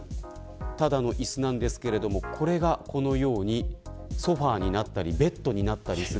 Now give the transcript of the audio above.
ただの椅子ですがこれがこのようにソファになったりベッドになったりします。